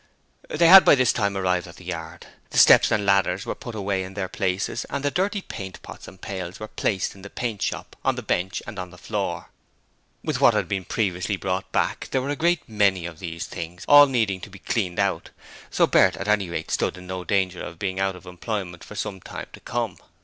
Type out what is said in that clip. They had by this time arrived at the yard. The steps and ladders were put away in their places and the dirty paint pots and pails were placed in the paint shop on the bench and on the floor. With what had previously been brought back there were a great many of these things, all needing to be cleaned out, so Bert at any rate stood in no danger of being out of employment for some time to come.